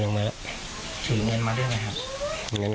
เดินออกมาแล้วถือเงินมาด้วยไหมครับเงินเขาก็ใส่กระเป๋าแล้ว